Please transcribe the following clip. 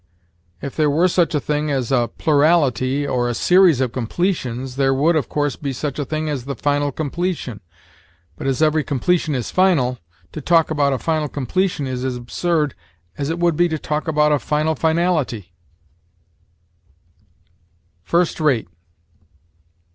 If there were such a thing as a plurality or a series of completions, there would, of course, be such a thing as the final completion; but, as every completion is final, to talk about a final completion is as absurd as it would be to talk about a final finality. FIRST RATE.